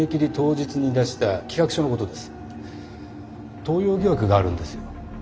盗用疑惑があるんですよ。